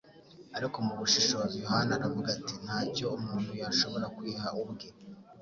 ariko mu bushishozi, Yohana aravuga ati: “Ntacyo umuntu yashobora kwiha ubwe;”